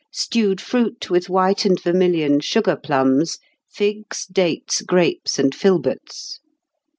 Stewed fruit with white and vermilion sugar plums; figs, dates, grapes, and filberts.